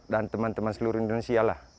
dan teman teman seluruh indonesia lah